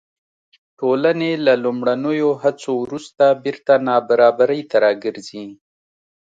ټولنې له لومړنیو هڅو وروسته بېرته نابرابرۍ ته راګرځي.